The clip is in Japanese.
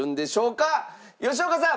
吉岡さん